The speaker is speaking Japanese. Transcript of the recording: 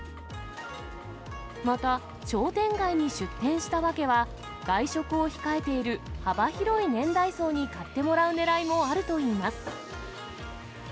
また、商店街に出店した訳は、外食を控えている幅広い年代層に買ってもらうねらいもあるといいます。